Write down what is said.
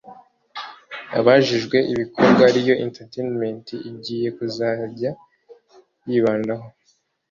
Abajijwe ibikorwa Real entertainement igiye kuzajya yibandaho